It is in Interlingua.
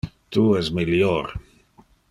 Tu es melior.